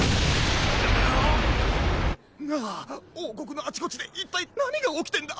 なあ王国のあちこちで一体何が起きてんだ？